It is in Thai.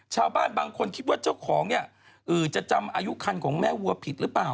ชาวบ้านบางคนคิดว่าเจ้าของเนี่ยจะจำอายุคันของแม่วัวผิดหรือเปล่า